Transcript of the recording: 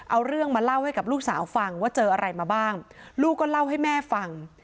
เอาเรื่องมาเล่าให้กับลูกสาวฟังว่าเจออะไรมาบ้างลูกก็เล่าให้แม่ฟัง